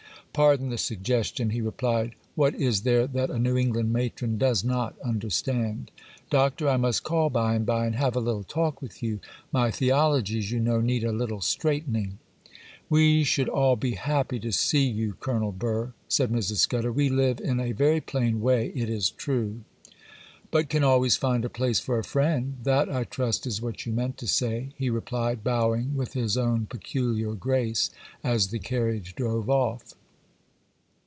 'Pardon the suggestion,' he replied, 'what is there that a New England matron does not understand? Doctor, I must call by and by and have a little talk with you; my theologies, you know, need a little straightening.' 'We should all be happy to see you, Colonel Burr,' said Mrs. Scudder; 'we live in a very plain way it is true.' 'But can always find a place for a friend; that, I trust, is what you meant to say,' he replied, bowing with his own peculiar grace as the carriage drove off.